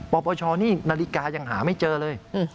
ปปชนี่นาฬิกายังหาไม่เจอเลย